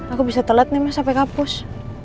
aku bisa telat nih mas sampai kapus